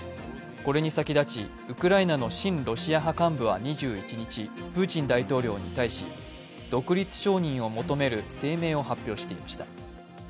これに先立ち、ウクライナの親ロシア派幹部は２１日、プーチン大統領に対し、独立承認を求める声明を発表していました。